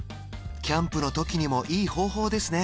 キャンプのときにもいい方法ですね